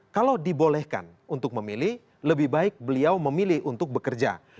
kalau dibolehkan untuk memilih lebih baik beliau memilih untuk bekerja